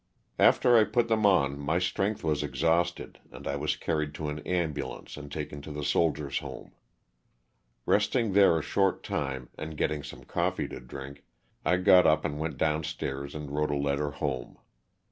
After I put them on my strength was exhausted and I was carried to an ambu lance and taken to the Soldiers' Home. Eesting there a short time, and getting some coffee to drink, I got up and went down stairs and wrote a letter home.